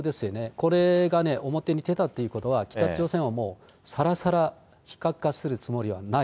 これが表に出たっていうことは、北朝鮮はもう、さらさら非核化するつもりはない。